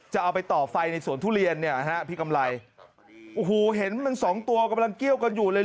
จะเอาไปต่อไฟในสวนทุเรียนเนี่ยฮะพี่กำไรโอ้โหเห็นมันสองตัวกำลังเกี้ยวกันอยู่เลย